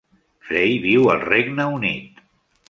Frey viu al Regne Unit.